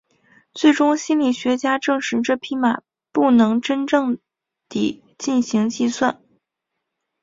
最终心理学家证实这匹马不能真正地进行计算。